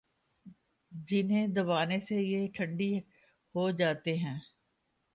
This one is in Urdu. ۔ جنہیں دبانے سے یہ ٹھنڈی ہوجاتے ہیں۔